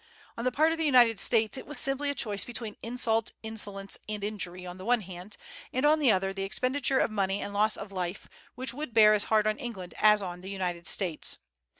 On the part of the United States it was simply a choice between insult, insolence, and injury on the one hand, and on the other the expenditure of money and loss of life, which would bear as hard on England as on the United States.